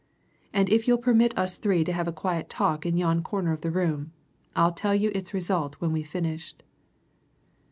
And if you'll permit us three to have a quiet talk in yon corner of your room, I'll tell you its result when we've finished."